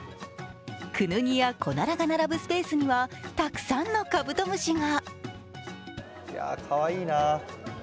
クヌギやコナラが並ぶスペースにはたくさんのカブトムシが。